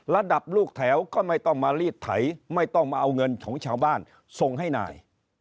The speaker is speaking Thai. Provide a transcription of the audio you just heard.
ระดับลูกแถวก็ไม่ต้องมารีดไถไม่ต้องมาเอาเงินของชาวบ้านส่งให้นาย